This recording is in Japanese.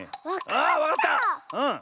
あわかった！